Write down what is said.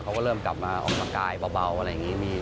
เขาก็เริ่มกลับมาออกกำลังกายเบาอะไรอย่างนี้